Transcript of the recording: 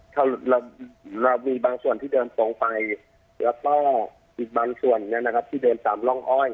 ถ้าเรามีบางส่วนที่เดินตรงไปแล้วก็อีกบางส่วนที่เดินตามร่องอ้อย